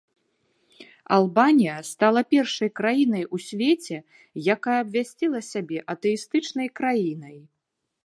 Албанія стала першай краінай у свеце, якая абвясціла сябе атэістычнай краінай.